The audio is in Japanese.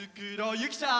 ゆきちゃん！